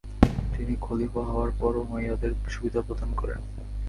তিনি খলিফা হওয়ার পর উমাইয়াদের সুবিধা প্রদান করেন।